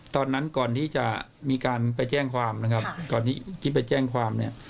ตอนนั้นก่อนที่จะมีการไปแจ้งความก่อนที่ไปแจ้งความ